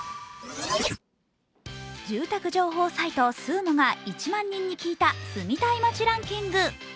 住宅情報サイトＳＵＵＭＯが１万人に聞いた住みたい街ランキング。